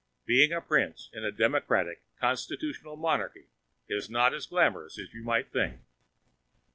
Being a prince in a democratic, constitutional monarchy is not as glamorous as you might think.